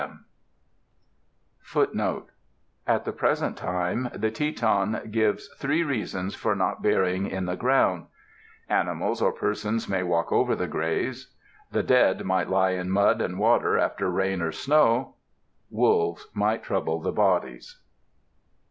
[M] FOOTNOTE: [M] At the present day, the Teton gives three reasons for not burying in the ground: animals or persons might walk over the graves; the dead might lie in mud and water after rain or snow; wolves might trouble the bodies.